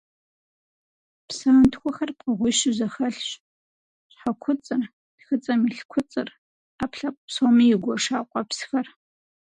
Псантхуэхэр пкъыгъуищу зэхэлъщ: щхьэкуцӏыр, тхыцӏэм илъ куцӏыр, ӏэпкълъэпкъ псом игуэша къуэпсхэр.